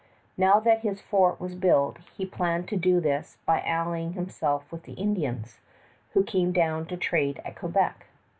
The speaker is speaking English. Now that his fort was built, he planned to do this by allying himself with the Indians, who came down to trade at Quebec.